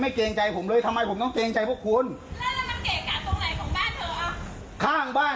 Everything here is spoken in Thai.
มันไม่มีหรอกครับ